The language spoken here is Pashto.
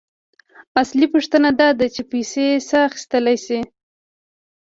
اصلي پوښتنه داده چې پیسې څه اخیستلی شي